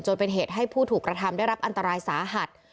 เป็นเหตุให้ผู้ถูกกระทำได้รับอันตรายสาหัส